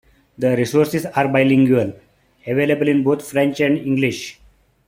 The resources are bilingual; available in both French and English.